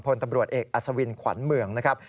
พลตำรวจเอกอัศวินขวัญเมืองนะครับ